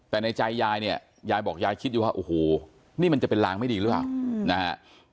แต่ในใจยายเนี่ยยายบอกยายคิดอยู่ว่าโอ้โหนี่มันจะเป็นลางไม่ดีหรือเปล่านะฮะ